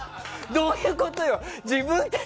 どういうことよ。